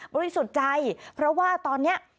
บริษุใจเพราะว่าตอนเนี่ย